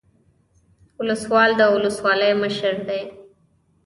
ولسوال د ولسوالۍ مشر دی